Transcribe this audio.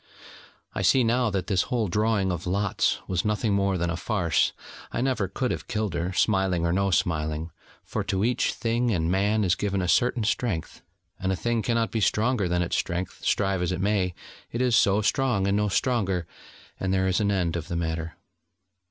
I see now that this whole drawing of lots was nothing more than a farce: I never could have killed her, smiling, or no smiling: for to each thing and man is given a certain strength: and a thing cannot be stronger than its strength, strive as it may: it is so strong, and no stronger, and there is an end of the matter.